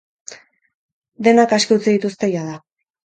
Denak aske utzi dituzte jada.